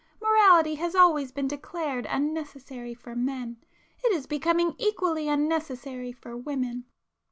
Morality has always been declared unnecessary for men,—it is becoming equally unnecessary for women!"